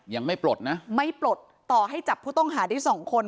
ยังไม่ปลดนะไม่ปลดต่อให้จับผู้ต้องหาได้สองคน